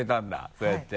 そうやって。